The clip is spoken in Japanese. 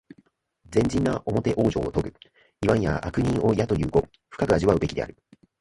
善人なおもて往生をとぐ、いわんや悪人をやという語、深く味わうべきである。